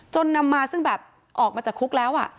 นำมาซึ่งแบบออกมาจากคุกแล้ว